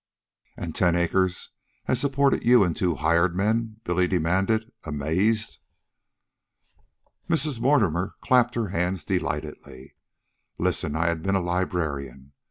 "And ten acres has supported you an' two hired men?" Billy demanded, amazed. Mrs. Mortimer clapped her hands delightedly. "Listen. I had been a librarian.